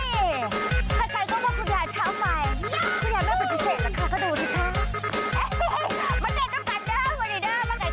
ให้